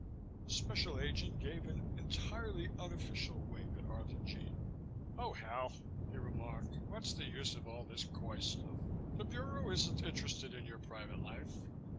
The Special Agent gave an entirely unofficial wink at Arthurjean. "Oh, hell," he remarked. "What's the use of all this coy stuff? The Bureau isn't interested in your private life.